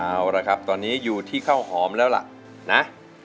เอาละครับตอนนี้อยู่ที่ข้าวหอมแล้วล่ะนะ